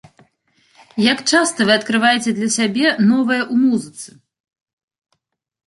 Як часта вы адкрываеце для сябе новае ў музыцы?